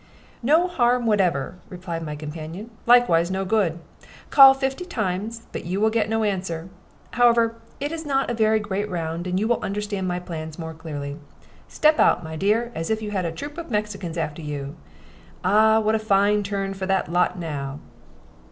"No harm whatever," replied my companion; "likewise no good. Call fifty times, but you will get no answer. However, it is not a very great round, and you will understand my plans more clearly. Step out, my dear, as if you had got a troop of Mexicans after you. Ah, what a fine turn for that lot now!"